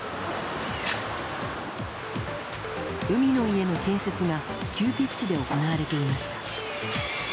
海の家の建設が急ピッチで行われていました。